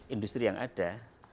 industri yang ada